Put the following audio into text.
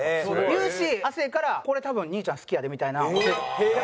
言うし亜生から「これ多分兄ちゃん好きやで」みたいなんを弟やから。